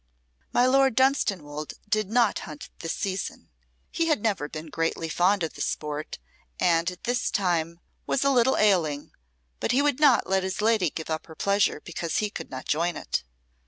My Lord Dunstanwolde did not hunt this season. He had never been greatly fond of the sport, and at this time was a little ailing, but he would not let his lady give up her pleasure because he could not join it.